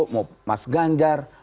mau mas ganjar